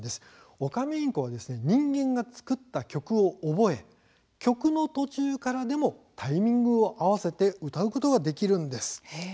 オカメインコは人間が作った曲を覚え曲の途中からでもタイミングを合わせて歌うことができるんです。